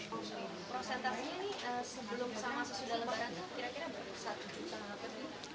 prosentasenya ini sebelum sama sesudah lebaran itu kira kira berapa